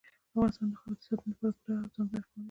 افغانستان د خاورې د ساتنې لپاره پوره او ځانګړي قوانین لري.